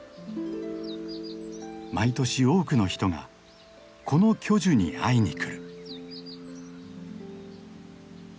毎年多くの人がこの巨樹に会いにくる。